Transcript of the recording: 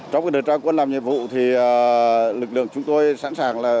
trong đời trang quân làm nhiệm vụ thì lực lượng chúng tôi sẵn sàng là